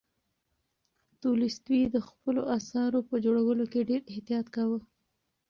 تولستوی د خپلو اثارو په جوړولو کې ډېر احتیاط کاوه.